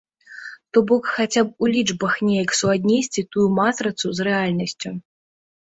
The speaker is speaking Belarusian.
То бок, хаця б у лічбах неяк суаднесці тую матрыцу з рэальнасцю.